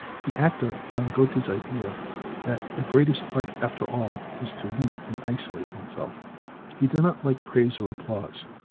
He acted on Goethe's idea that "the greatest art after all is to limit and isolate oneself." He did not like praise or applause.